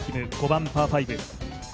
５番パー５。